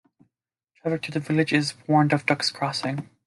Traffic through the village is warned of "ducks crossing".